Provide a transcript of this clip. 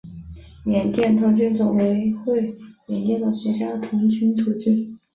缅甸童军总会为缅甸的国家童军组织。